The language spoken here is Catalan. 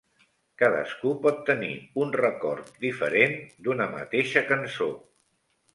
Cadascú pot tenir un record diferent d'una mateixa cançó.